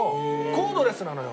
コードレスなのよ。